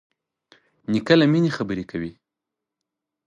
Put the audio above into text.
نیکه له مینې خبرې کوي.